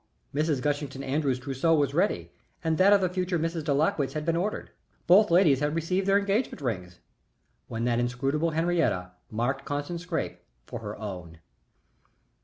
Mrs. Gushington Andrews's trousseau was ready, and that of the future Mrs. de Lakwitz had been ordered; both ladies had received their engagement rings when that inscrutable Henriette marked Constant Scrappe for her own.